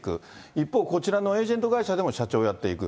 一方、こちらのエージェント会社でも、社長をやっていく。